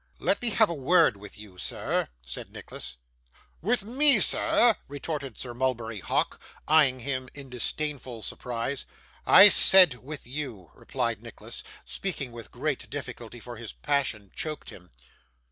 'Let me have a word with you, sir,' said Nicholas. 'With me, sir?' retorted Sir Mulberry Hawk, eyeing him in disdainful surprise. 'I said with you,' replied Nicholas, speaking with great difficulty, for his passion choked him.